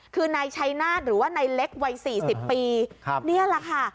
คือนายชัยนาฏหรือว่านายเล็กวัยสี่สิบปีครับนี่แหละค่ะ